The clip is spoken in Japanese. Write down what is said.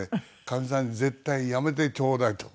かみさんに絶対やめてちょうだいと。